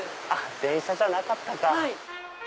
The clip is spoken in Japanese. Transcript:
電車じゃなかったか。